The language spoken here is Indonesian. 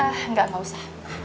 ee enggak gausah